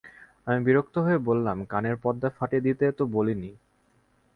আমি বিরক্ত হয়ে বললাম, কানের পর্দা ফাটিয়ে দিতে তো বলি নি।